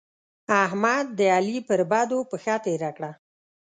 احمد؛ د علي پر بدو پښه تېره کړه.